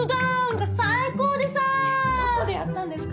どこでやったんですか？